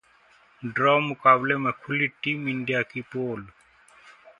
draw मुकाबले में खुली टीम इंडिया की पोल